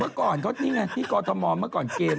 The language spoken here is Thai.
เมื่อก่อนเขานี่ไงกอร์ธอมมองเมื่อก่อนเกม